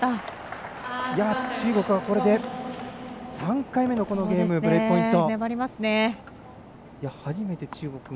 中国はこれで３回目のブレークポイント。